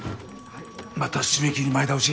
また締切前倒し？